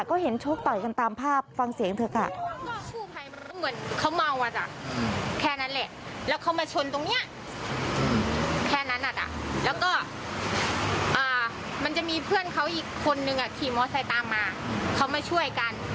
ก็เห็นโชคต่อยกันตามภาพฟังเสียงเถอะค่ะ